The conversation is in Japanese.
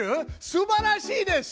すばらしいです！